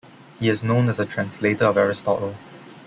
He is known as a translator of Aristotle.